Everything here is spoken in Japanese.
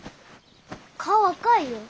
顔赤いよ。